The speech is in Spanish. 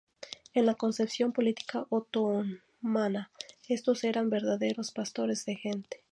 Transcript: En la concepción política otomana, estos eran verdaderos "pastores de gente".